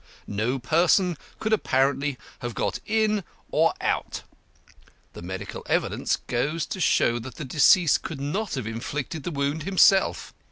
No person could apparently have got in or out. The medical evidence goes to show that the deceased could not have inflicted the wound himself.